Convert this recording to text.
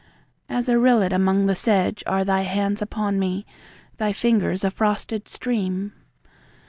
As a rillet among the sedge are thy hands upon me; Thy fingers a frosted stream.